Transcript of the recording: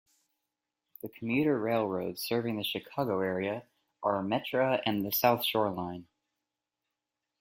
The commuter railroads serving the Chicago area are Metra and the South Shore Line.